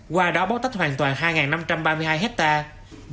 qua đó bóc tách hoàn toàn hai năm trăm ba mươi hai hectare